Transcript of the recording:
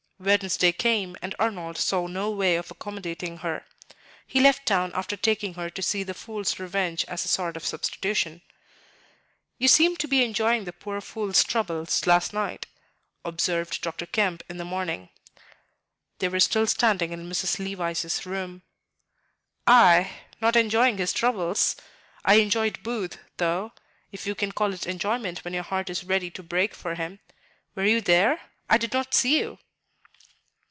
Wednesday came, and Arnold saw no way of accommodating her. He left town after taking her to see the "Fool's Revenge" as a sort of substitution. "You seemed to be enjoying the poor Fool's troubles last night," observed Dr. Kemp, in the morning; they were still standing in Mrs. Levice's room. "I? Not enjoying his troubles; I enjoyed Booth, though, if you can call it enjoyment when your heart is ready to break for him. Were you there? I did not see you."